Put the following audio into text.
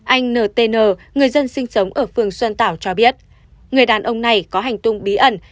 anh ntn người dân sinh sống ở phường xuân tảo cho biết người đàn ông này có hành tung bí ẩn